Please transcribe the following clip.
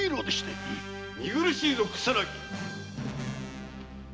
・見苦しいぞ草薙！